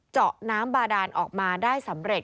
เจาะน้ำบาดานออกมาได้สำเร็จ